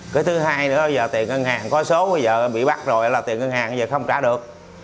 cái thứ hai nữa bây giờ tiền ngân hàng có số bây giờ bị bắt rồi là tiền ngân hàng bây giờ không trả được